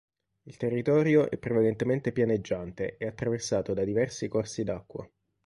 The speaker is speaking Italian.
Il territorio è prevalentemente pianeggiante e attraversato da diversi corsi d'acqua.